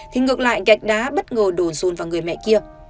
thì ngược lại gạch đá bất ngờ đồn run vào người mẹ kia